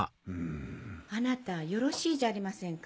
あなたよろしいじゃありませんか。